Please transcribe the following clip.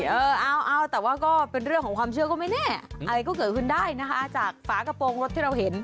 เออเอาแต่ว่าก็เป็นเรื่องของความเชื่อก็ไม่แน่อะไรก็เกิดขึ้นได้นะคะจากฝากระโปรงรถที่เราเห็น